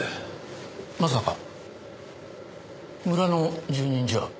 まさか村の住人じゃ？